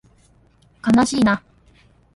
かなしいな